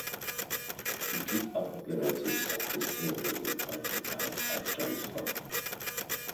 To keep up appearances, the sale was referred to as a transfer.